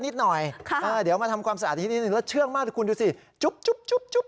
ใช่เดี๋ยวมาทำความสะอาดนี้ทิ้งแล้วเชื่องมากคุณดูสิจุ๊บจุ๊บจุ๊บจุ๊บ